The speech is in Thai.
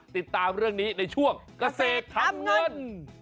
ติดตามเรื่องนี้ในช่วงเกษตรทำเงิน